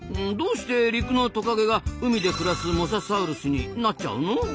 どうして陸のトカゲが海で暮らすモササウルスになっちゃうの？